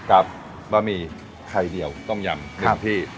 กับบะหมี่ไข่เดียวต้มยำเงินที่